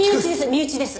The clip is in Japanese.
身内です！